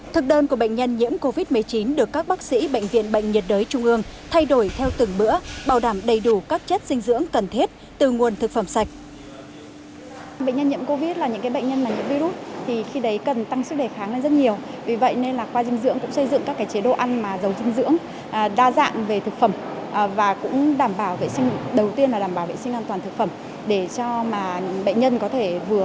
thực đơn của bệnh nhân nhiễm covid một mươi chín được các bác sĩ bệnh viện bệnh nhiệt đới trung ương thay đổi theo từng bữa bảo đảm đầy đủ các chất dinh dưỡng cần thiết từ nguồn thực phẩm sạch